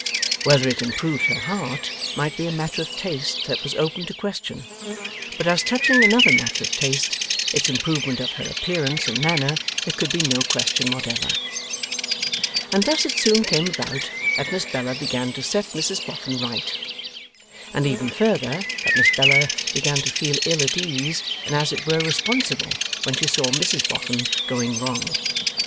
Whether it improved her heart might be a matter of taste that was open to question; but as touching another matter of taste, its improvement of her appearance and manner, there could be no question whatever. And thus it soon came about that Miss Bella began to set Mrs Boffin right; and even further, that Miss Bella began to feel ill at ease, and as it were responsible, when she saw Mrs Boffin going wrong.